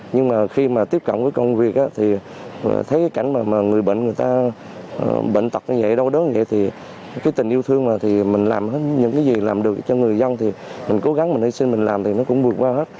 nhưng mà khi mà tiếp cận với công việc thì thấy cái cảnh mà người bệnh người ta bệnh tật như vậy đâu đó vậy thì cái tình yêu thương mà thì mình làm hết những cái gì làm được cho người dân thì mình cố gắng mình hy sinh mình làm thì nó cũng vượt qua hết